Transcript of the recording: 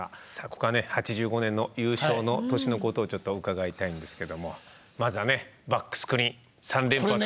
ここはね８５年の優勝の年のことをちょっと伺いたいんですけどもまずはねバックスクリーン三連発から始まって。